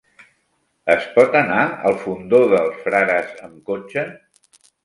Es pot anar al Fondó dels Frares amb cotxe?